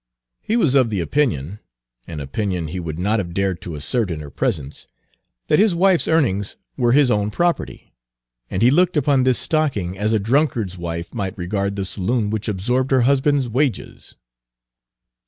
He was of the opinion an opinion he would not have dared to assert in her presence that his wife's earnings were his own property; and he looked upon this stocking as a drunkard's wife might regard the saloon which absorbed her husband's wages.